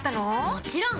もちろん！